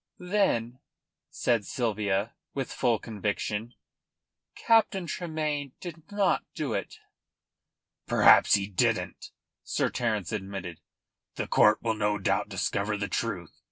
"Then," said Sylvia, with full conviction, "Captain Tremayne did not do it." "Perhaps he didn't," Sir Terence admitted. "The court will no doubt discover the truth.